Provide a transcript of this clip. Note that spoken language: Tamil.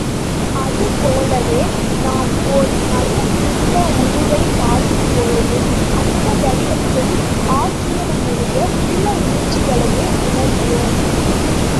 அதுபோலவே, நாம் ஒரு நல்ல சிற்ப உருவைப் பார்க்கும்பொழுது, அந்த வடிவத்தை ஆக்கிவனுடைய உள்ள உணர்ச்சிகளையே உணர்கிறோம்.